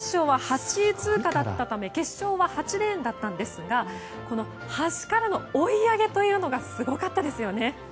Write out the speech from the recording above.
準決勝は８位通過だったため決勝は８レーンだったんですが端からの追い上げというのがすごかったですよね。